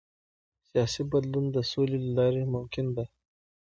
سیاسي بدلون د سولې له لارې ممکن دی